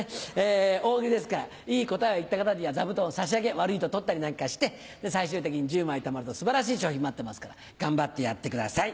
大喜利ですからいい答えを言った方には座布団を差し上げ悪いと取ったりなんかして最終的に１０枚たまると素晴らしい商品待ってますから頑張ってやってください。